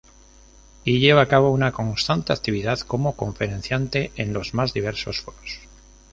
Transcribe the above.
Y lleva a cabo una constante actividad como conferenciante en los más diversos foros.